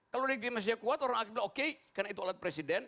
kalau negeri masih kuat orang akan bilang oke karena itu alat presiden